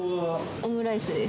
オムライスです。